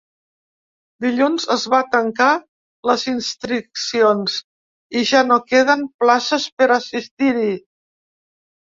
Dilluns es van tancar les inscripcions i ja no queden places per assistir-hi.